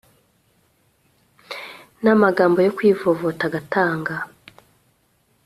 namagambo yo kwivovota agatanga